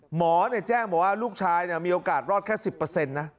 หมอแจ้งบอกว่าลูกชายมีโอกาสรอดแค่๑๐นะ